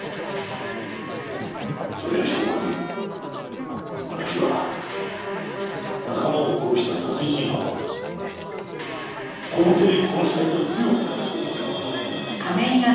それが証拠に私は仲間を殺した殺人犯をこの手で殺したいと強く感じています。